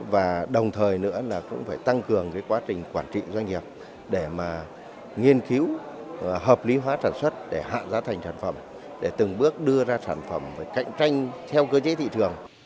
và đồng thời nữa là cũng phải tăng cường cái quá trình quản trị doanh nghiệp để mà nghiên cứu hợp lý hóa sản xuất để hạ giá thành sản phẩm để từng bước đưa ra sản phẩm cạnh tranh theo cơ chế thị trường